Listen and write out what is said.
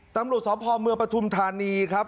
ตำรวจสอบพรมเมืองประธุมธานีครับ